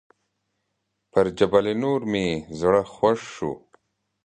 پر جبل النور مې زړه خوږ شو.